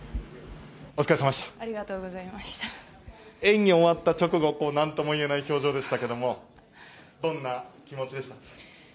演技が終わった直後なんともいえない表情でしたけどもどんな気持ちでしたか？